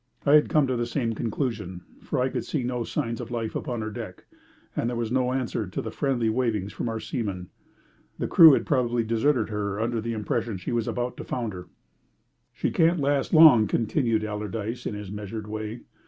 I had come to the same conclusion, for I could see no signs of life upon her deck, and there was no answer to the friendly wavings from our seamen. The crew had probably deserted her under the impression that she was about to founder. "She can't last long," continued Allardyce, in his measured way.